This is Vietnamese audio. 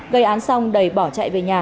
gây án xong đầy bỏ chạy về nhà